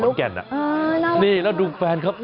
หมอกิตติวัตรว่ายังไงบ้างมาเป็นผู้ทานที่นี่แล้วอยากรู้สึกยังไงบ้าง